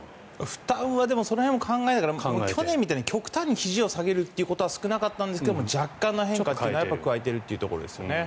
負担はその辺を考えて去年みたいにひじを極端に下げるというのは少なかったんですが若干の変化は加えているというところですね。